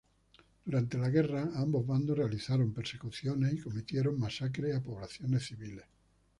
Durante la guerra ambos bandos realizaron persecuciones y cometieron masacres a poblaciones civiles.